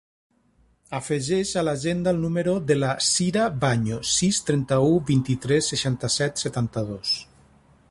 Afegeix a l'agenda el número de la Cira Vaño: sis, trenta-u, vint-i-tres, seixanta-set, setanta-dos.